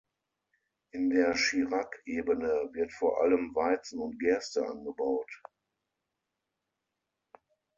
In der Schirak-Ebene wird vor allem Weizen und Gerste angebaut.